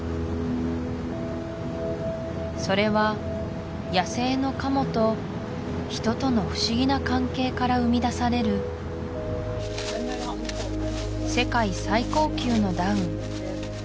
それは野生のカモと人との不思議な関係から生み出される世界最高級のダウン